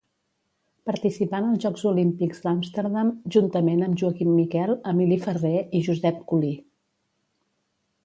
Participà en els Jocs Olímpics d'Amsterdam, juntament amb Joaquim Miquel, Emili Ferrer i Josep Culí.